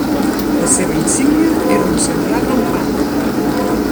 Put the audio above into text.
La seva insígnia era un senglar rampant.